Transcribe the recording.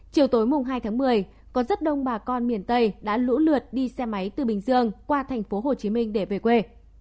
chiều tối hai tháng một mươi còn rất đông bà con miền tây đã lũ lượt đi xe máy từ bình dương qua thành phố hồ chí minh để về quê